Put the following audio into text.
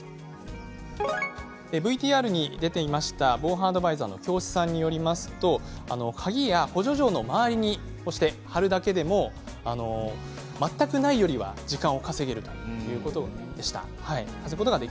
ＶＴＲでも出ていました防犯アドバイザーの京師さんによると鍵や補助錠の周りに貼るだけでも全くないよりは時間を稼げるということでした。